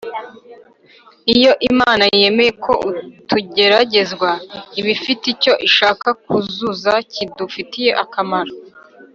. Iyo Imana yemeye ko tugeragezwa, iba ifite icyo ishaka kuzuza kidufitiye akamaro